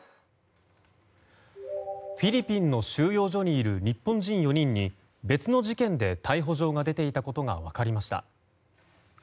フィリピンの収容所にいる日本人４人に別の事件で逮捕状が出ていたことが分かりました。